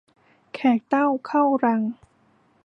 แขกเต้าเข้ารัง